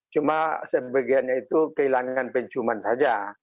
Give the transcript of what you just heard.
cuma sebagiannya itu kehilangan penciuman saja